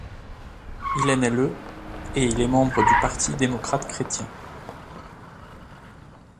Il est né le et il est membre du Parti démocrate-chrétien.